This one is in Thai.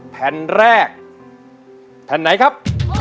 แผ่นแรกแผ่นไหนครับ